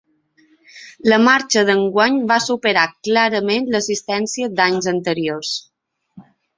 La marxa d’enguany va superar clarament l’assistència d’anys anteriors.